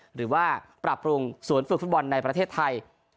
หรือว่าปรับปรุงสวนฝึกฟุตบอลในประเทศไทย